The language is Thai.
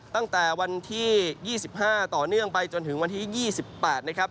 ตั้งแต่วันที่๒๕ต่อเนื่องไปจนถึงวันที่๒๘นะครับ